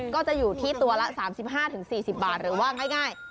ก็จะอยู่ที่ตัวละ๓๕๔๐บาทหรือว่าง่าย